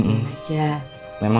ngerjain gak apa apa d